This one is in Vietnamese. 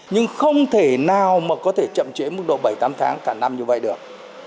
nhưng không thể nào mà có thể chậm trễ mức độ bảy tám tháng cả năm như vậy được